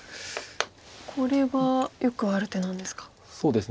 これはよくある手なんですか。